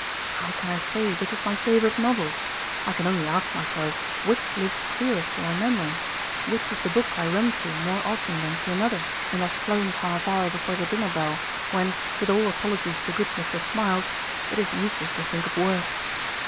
How can I say which is my favourite novel? I can only ask myself which lives clearest in my memory, which is the book I run to more often than to another in that pleasant half hour before the dinner bell, when, with all apologies to good Mr. Smiles, it is useless to think of work.